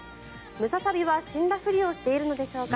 ムササビは死んだふりをしているのでしょうか。